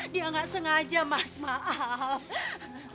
dia nggak sengaja mas maaf